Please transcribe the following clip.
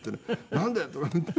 「なんだよ」とか言って。